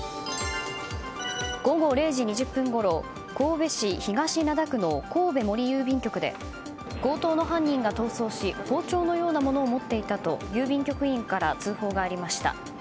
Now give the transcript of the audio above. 午後０時２０分ごろ神戸市東灘区の神戸森郵便局で強盗の犯人が逃走し包丁のようなものを持っていたと郵便局員から通報がありました。